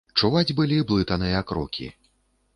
Чуваць былі блытаныя крокі.